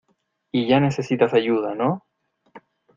y ya necesitas ayuda, ¿ no?